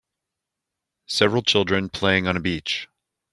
Several children playing on a beach.